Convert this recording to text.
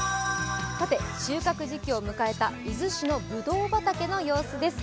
収穫時期を迎えた伊豆市のぶどう畑の様子です。